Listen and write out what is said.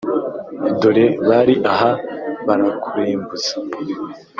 dore bari aha barakurembuza